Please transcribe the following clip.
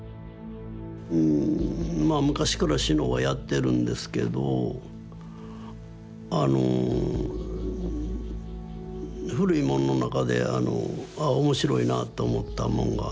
まあ昔から志野はやってるんですけどあの古いもんの中であのああ面白いなって思ったもんがあって。